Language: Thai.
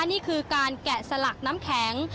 นี่คือการแกะสลักน้ำแข็ง